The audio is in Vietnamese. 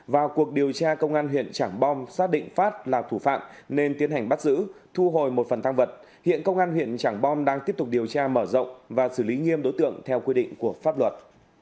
vào cuộc điều tra công an huyện trảng bom xác định phát là thủ phạm nên tiến hành bắt giữ thu hồi một phần thăng vật hiện công an huyện trảng bom đang tiếp tục điều tra mở rộng và xử lý nghiêm đối tượng theo quy định của pháp luật